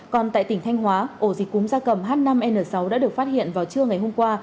còn tại tỉnh thanh hóa ổ dịch cúm da cầm h năm n sáu đã được phát hiện vào trưa ngày hôm qua